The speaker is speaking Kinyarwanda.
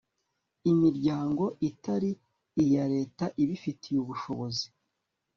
imiryango itari iya leta ibifitiye ubushobozi